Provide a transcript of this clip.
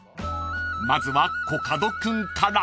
［まずはコカド君から］